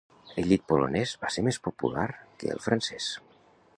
El llit polonés va ser més popular que el francés.